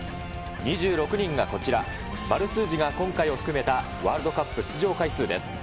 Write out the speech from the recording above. ２６人がこちら、丸数字が、今回を含めたワールドカップ出場回数です。